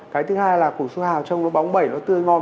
cái thứ hai là củ su hào trông nó bóng bẩy nó tươi ngon